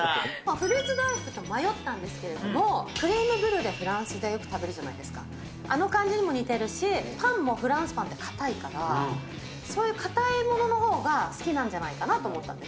フルーツ大福と迷ったんですけれども、クレームブリュレ、フランスでよく食べるじゃないですか、あの感じにも似てるし、パンもフランスパンって硬いから、そういう硬いもののほうが好きなんじゃないかなと思ったんです。